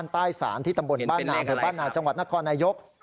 ใต้สารที่ตำบลบ้านนามจังหวัดนครนายก